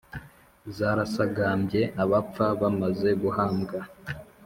zarasagambye abapfa bamaze guhambwa.